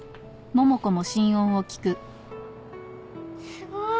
すごーい。